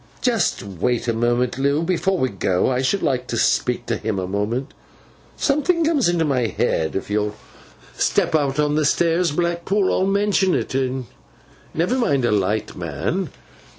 'Just wait a moment, Loo! Before we go, I should like to speak to him a moment. Something comes into my head. If you'll step out on the stairs, Blackpool, I'll mention it. Never mind a light, man!